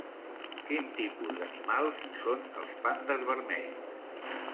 Quin tipus d'animals són els pandes vermells?